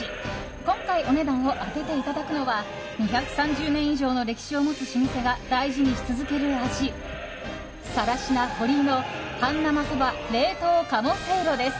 今回お値段を当てていただくのは２３０年以上の歴史を持つ老舗が大事にし続ける味、更科堀井の半生そば冷凍鴨せいろです。